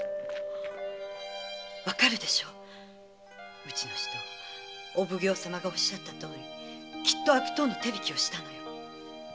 わかるでしょうちの人お奉行様がおっしゃったとおりきっと悪党の手引きをしたのよ。